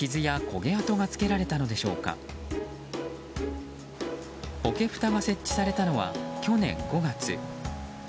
ポケふたが設置されたのは去年５月。